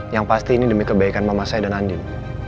yang pasti ini demi kebaikan mama saya dan andil